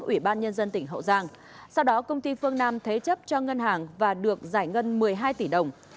ủy ban nhân dân tỉnh hậu giang sau đó công ty phương nam thế chấp cho ngân hàng và được giải ngân một mươi hai tỷ đồng